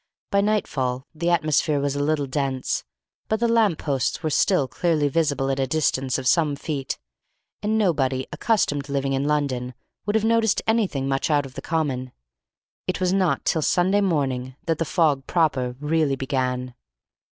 By night fall the atmosphere was a little dense, but the lamp posts were still clearly visible at a distance of some feet, and nobody, accustomed to living in London, would have noticed anything much out of the common. It was not till Sunday morning that the fog proper really began.